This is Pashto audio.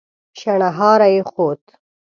شڼهاری يې خوت.